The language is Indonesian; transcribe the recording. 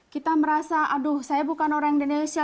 kita merasa aduh saya bukan orang indonesia